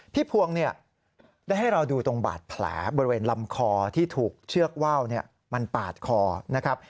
พวงเนี่ยได้ให้เราดูตรงบาดแผลบริเวณลำคอที่ถูกเชือกว่าวมันปาดคอนะครับ